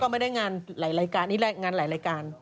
ไม่ได้งานหลายรายการอันนี้งานหลายรายการ